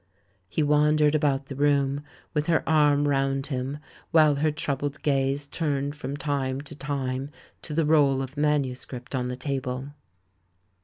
He wandered about the room, with her arril round him, while her troubled gaze turned from time to time to the roll of manuscript on the table.